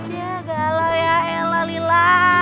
ya galau ya ella lila